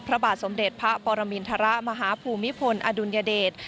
พระบาทสมเด็จพระปรมินทรมาฮภูมิพลอดุลยเดช